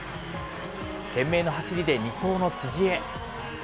懸命の走りで２走の辻へ。